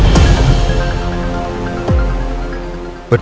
bener itu mobilnya purnomo